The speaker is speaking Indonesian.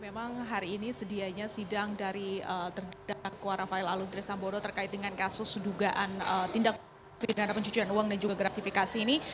memang hari ini sedianya sidang dari terdakwa rafael alun trisambodo terkait dengan kasus dugaan tindak pidana pencucian uang dan juga gratifikasi ini